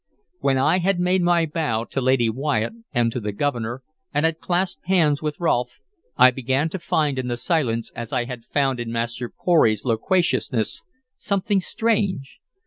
When I had made my bow to Lady Wyatt and to the Governor, and had clasped hands with Rolfe, I began to find in the silence, as I had found in Master Pory's loquaciousness, something strange.